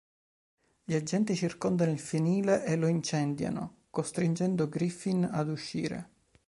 Gli agenti circondano il fienile e lo incendiano, costringendo Griffin ad uscire.